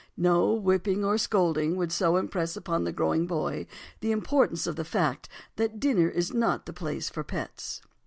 No whipping or scolding would so impress upon the growing boy the importance of the fact that the dinner table is not the place for pets.